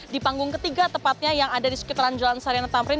di panggung ketiga tepatnya yang ada di sekitaran jalan sarina tamrin